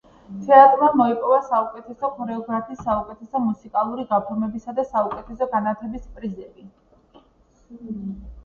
თეატრმა მოიპოვა საუკეთესო ქორეოგრაფის, საუკეთესო მუსიკალური გაფორმებისა და საუკეთესო განათების პრიზები.